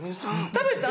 食べた？